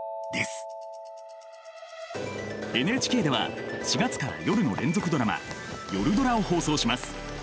ＮＨＫでは４月から夜の連続ドラマ「夜ドラ」を放送します。